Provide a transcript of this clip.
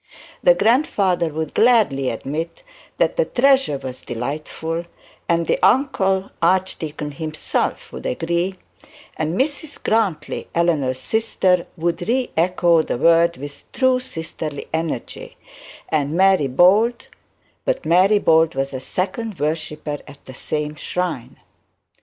The grandfather would gladly admit that the treasure was delightful, and the uncle archdeacon himself would agree, and Mrs Grantly, Eleanor's sister, would re echo the word with true sisterly energy; and Mary Bold but Mary Bold was a second worshipper at the same shrine.